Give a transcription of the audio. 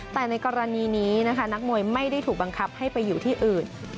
แต่ในกรณีนี้นะคะนักมวยไม่ได้ถูกบังคับให้ไปอยู่ที่อื่น